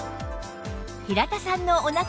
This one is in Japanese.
平田さんのお腹